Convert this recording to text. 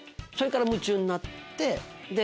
それから夢中になって。